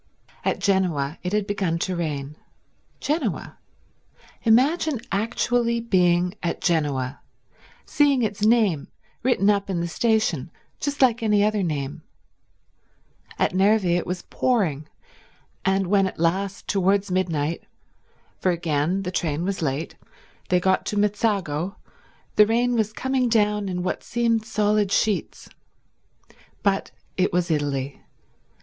At Genoa it had begun to rain— Genoa! Imagine actually being at Genoa, seeing its name written up in the station just like any other name—at Nervi it was pouring, and when at last towards midnight, for again the train was late, they got to Mezzago, the rain was coming down in what seemed solid sheets. But it was Italy.